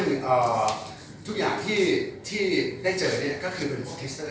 เช่นทุกอย่างที่ได้เจอก็คือซื้อที่คิดเป็นทีสเตอร์